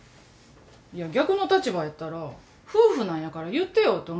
いや逆の立場やったら夫婦なんやから言ってよって思うやろ？